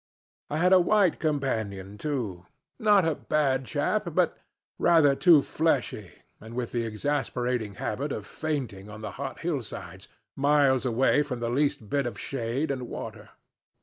I had a white companion too, not a bad chap, but rather too fleshy and with the exasperating habit of fainting on the hot hillsides, miles away from the least bit of shade and water.